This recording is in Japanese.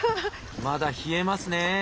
まだ冷えますね。